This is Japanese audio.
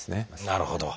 なるほど。